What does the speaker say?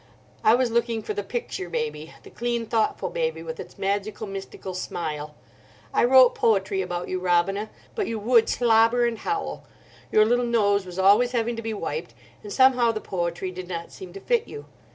I was looking for the picture baby, the clean, thoughtful baby, with its magical, mystical smile. I wrote poetry about you, Robina, but you would slobber and howl. Your little nose was always having to be wiped, and somehow the poetry did not seem to fit you.